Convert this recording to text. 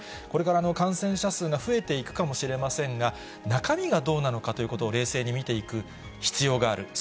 これから感染者数が増えていくかもしれませんが、中身がどうなのかということを冷静に見ていく必要がある。